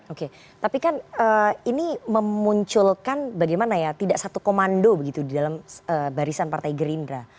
oke tapi kan ini memunculkan bagaimana ya tidak satu komando begitu di dalam barisan partai gerindra